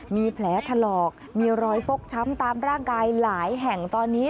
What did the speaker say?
มีแผลถลอกมีรอยฟกช้ำตามร่างกายหลายแห่งตอนนี้